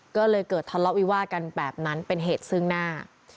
ก็เลยเกิดทะเลาะวิวาดกันแบบนั้นเป็นเหตุซึ่งหน้า